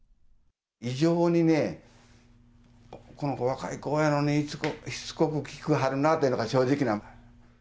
異常にね、この子、若い子やのに、しつこく聞きはるなというのが正直な。